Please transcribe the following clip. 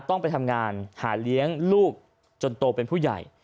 ต้องไปทำงานหาเลี้ยงลูกจนโตเป็นผู้ใหญ่